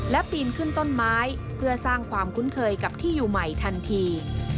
และปีนขึ้นต้นไม้เพื่อสร้างความคุ้นเคยกับที่อยู่ใหม่ทันที